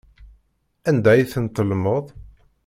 Anda ay tent-tellmeḍ?